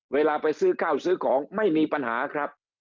เวลาไปซื้อข้าวซื้อของไม่มีปัญหาครับ